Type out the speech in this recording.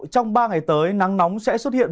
trong ba ngày tới nắng nóng sẽ xuất hiện